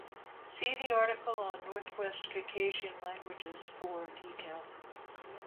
See the article on Northwest Caucasian languages for details.